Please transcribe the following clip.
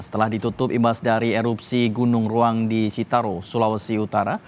setelah ditutup imbas dari erupsi gunung ruang di citaro sulawesi utara